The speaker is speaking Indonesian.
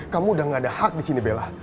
kamu udah gak ada hak di sini bella